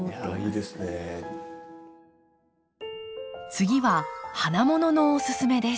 次は花もののおすすめです。